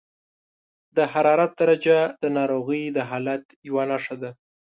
د حرارت درجه د ناروغۍ د حالت یوه نښه ده.